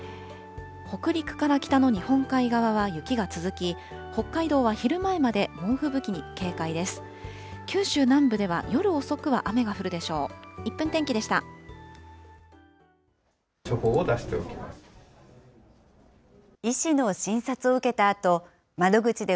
北陸から北の日本海側は雪が続き、北海道は昼前まで猛吹雪に警戒です。